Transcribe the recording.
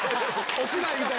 お芝居みたいに。